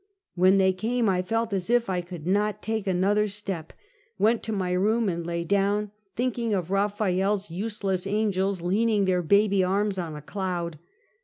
When they came, I felt as if I could not take another step, went to my room and lay down, thinking of Eaphael's useless angels leaning their baby arms on a cloud.